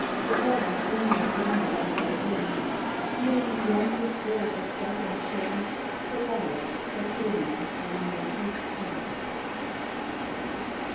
The goddess lingers long above thy dreams, Hearing beyond this world of death and change, The lyres that glimmer by immortal streams.